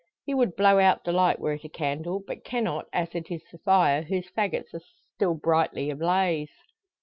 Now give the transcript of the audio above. He would blow out the light were it a candle; but cannot as it is the fire, whose faggots are still brightly ablaze.